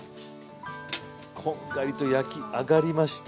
こんがりと焼き上がりました。